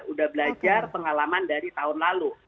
udah belajar pengalaman dari tahun lalu